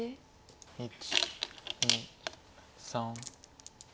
１２３。